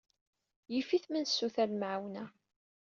Yif-it ma nessuter lemɛawna.